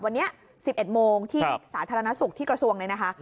วันนี้๑๑โมงที่สาธารณสุขที่กระทรวงเลยนะคะ